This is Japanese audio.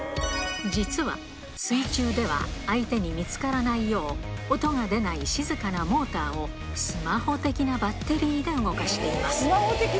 実は水中では相手に見つからないよう、音が出ない静かなモーターをスマホ的なバッテリーで動かしています。